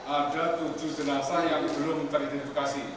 ada tujuh jenazah yang belum teridentifikasi